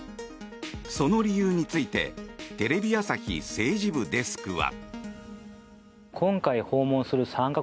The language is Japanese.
その理由についてテレビ朝日政治部デスクは。